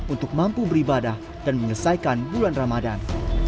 untuk mampu beribadah dan menyelesaikan bulan ramadan